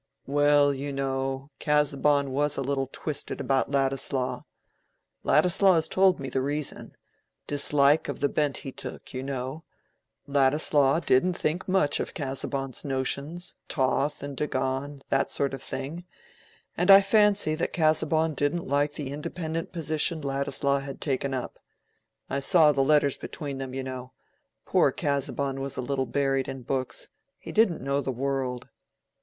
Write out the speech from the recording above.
"Well, you know, Casaubon was a little twisted about Ladislaw. Ladislaw has told me the reason—dislike of the bent he took, you know—Ladislaw didn't think much of Casaubon's notions, Thoth and Dagon—that sort of thing: and I fancy that Casaubon didn't like the independent position Ladislaw had taken up. I saw the letters between them, you know. Poor Casaubon was a little buried in books—he didn't know the world."